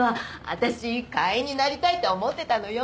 私会員になりたいと思ってたのよ。